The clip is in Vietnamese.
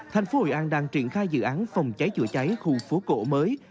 thành phố hội an đang triển khai dự án phòng cháy chữa cháy khu phố cổ mới